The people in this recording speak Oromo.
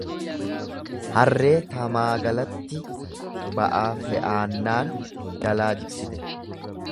Harree tamaagalatti ba’aa fe’eennaan jalaa jiksite